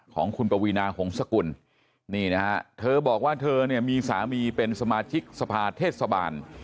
ของคุณปวีนาหงษกุลนี่นะฮะเธอบอกว่าเธอเนี่ยมีสามีเป็นสมาชิกสภาเทศบาล